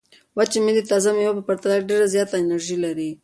وچې مېوې د تازه مېوو په پرتله ډېره زیاته انرژي لري.